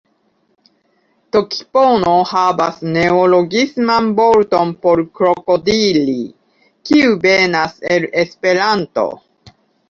Tokipono havas neologisman vorton por krokodili, kiu venas el Esperanto.